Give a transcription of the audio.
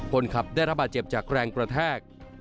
คนขับได้รับบาดเจ็บจากแรงกระแทก